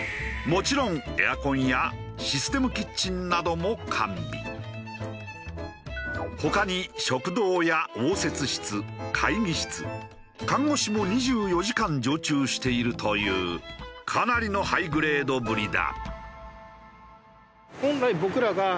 もちろん他に食堂や応接室会議室看護師も２４時間常駐しているというかなりのハイグレードぶりだ。